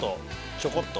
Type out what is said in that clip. ちょこっと。